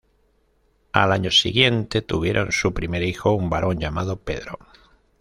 Al año siguiente, tuvieron su primer hijo, un varón llamado Pedro.